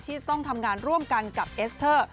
ที่ต้องทำงานร่วมกันกับเอสเตอร์